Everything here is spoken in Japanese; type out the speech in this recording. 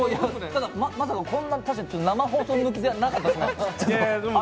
ただ、まさかこんな生放送向きじゃなかったですね。